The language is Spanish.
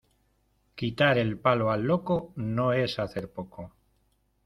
Quitar el palo al loco, no es hacer poco.